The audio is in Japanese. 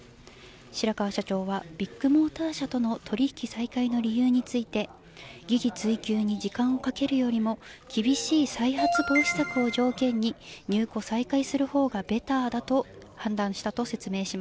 白川社長はビッグモーター社との取り引き再開の理由について、疑義追及に時間をかけるよりも、厳しい再発防止策を条件に、入庫再開するほうがベターだと判断しました。